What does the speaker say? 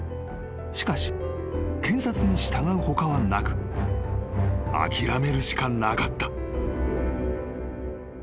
［しかし検察に従う他はなく諦めるしかなかった］